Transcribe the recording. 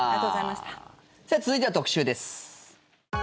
続いては特集です。